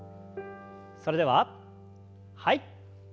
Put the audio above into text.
それでははい。